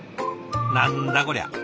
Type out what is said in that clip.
何だこりゃ。